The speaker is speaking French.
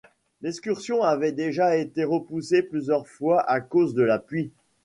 L'excursion avait déjà été repoussée plusieurs fois à cause de la pluie.